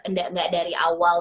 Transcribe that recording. nggak dari awal